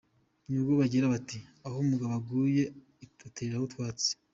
nibwo bagira bati: “Aho umugabo aguye uteraho utwatsi.”